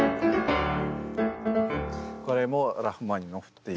これも「ラッフマニノフ」っていう。